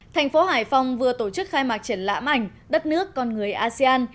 thành phố hải phòng vừa tổ chức khai mạc triển lãm ảnh đất nước con người asean